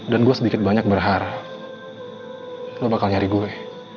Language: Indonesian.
dan gue sedikit banyak berharap lo bakal nyari gue